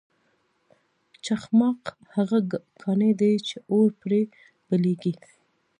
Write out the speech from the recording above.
چخماق هغه کاڼی دی چې اور پرې بلیږي.